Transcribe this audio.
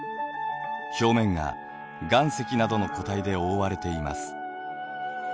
表面が岩石などの固体で覆われています。